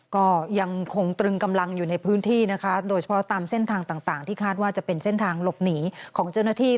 ก็ยังคงตรึงกำลังอยู่ในพื้นที่นะคะโดยเฉพาะตามเส้นทางต่างที่คาดว่าจะเป็นเส้นทางหลบหนีของเจ้าหน้าที่